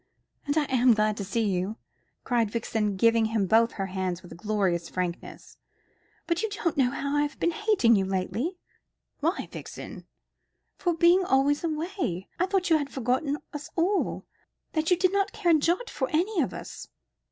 "And I am glad to see you," cried Vixen, giving him both her hands with a glorious frankness; "but you don't know how I have been hating you lately." "Why, Vixen?" "For being always away. I thought you had forgotten us all that you did not care a jot for any of us."